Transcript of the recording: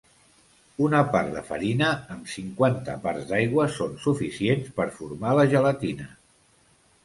Una part de farina amb cinquanta parts d'aigua són suficients per formar la gelatina.